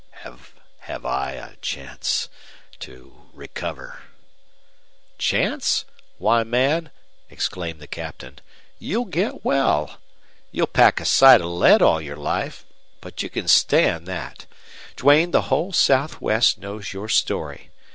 "Have I a chance to recover?" "Chance? Why, man," exclaimed the Captain, "you'll get well! You'll pack a sight of lead all your life. But you can stand that. Duane, the whole Southwest knows your story.